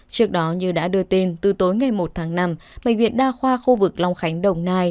trước đó như đã đưa tin từ tối ngày một tháng năm bệnh viện đa khoa khu vực long khánh đồng nai